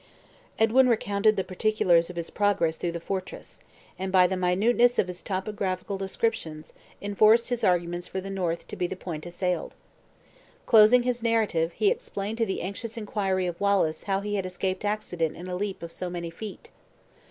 Edwin recounted the particulars of his progress through the fortress; and by the minuteness of his topographical descriptions, enforced his arguments for the north to be the point assailed. Closing his narrative, he explained to the anxious inquiry of Wallace how he had escaped accident in a leap of so many feet.